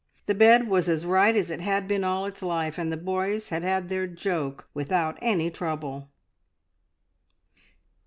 The bed was as right as it had been all its life, and the boys had had their joke without any trouble."